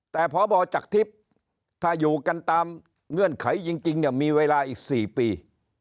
แต่พอบอกจากทฤษฐ์ถ้าอยู่กันตามเงื่อนไขจริงมีเวลาอีก๔ปี